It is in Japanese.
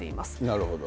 なるほど。